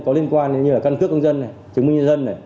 có liên quan như căn cước công dân chứng minh nhân dân